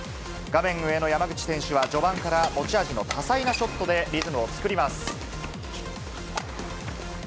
画面上の山口選手は、序盤から持ち味の多彩なショットでリズムを作ります。